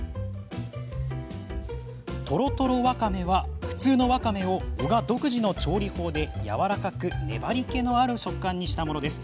とろとろワカメは普通のわかめを男鹿独自の調理法でやわらかく粘りけのある食感にしたものです。